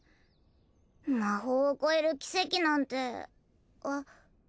魔法を超える奇跡なんてあっ。